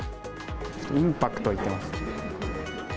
インパクトいってみます。